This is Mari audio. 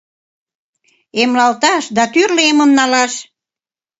Эмлалташ да тӱрлӧ эмым налаш...